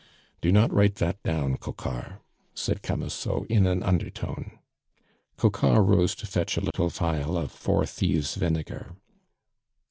"Do not write that down, Coquart," said Camusot in an undertone. Coquart rose to fetch a little phial of "Four thieves' Vinegar."